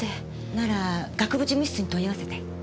なら学部事務室に問い合わせて。